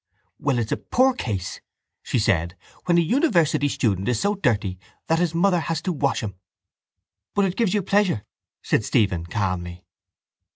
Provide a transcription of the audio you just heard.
—Well, it's a poor case, she said, when a university student is so dirty that his mother has to wash him. —But it gives you pleasure, said Stephen calmly.